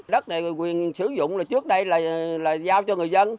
đất này quyền sử dụng là trước đây là giao cho người dân